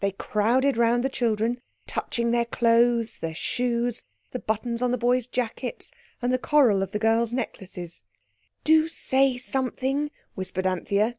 They crowded round the children, touching their clothes, their shoes, the buttons on the boys' jackets, and the coral of the girls' necklaces. "Do say something," whispered Anthea.